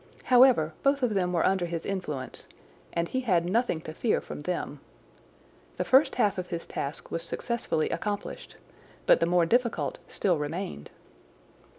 However, both of them were under his influence, and he had nothing to fear from them. The first half of his task was successfully accomplished but the more difficult still remained.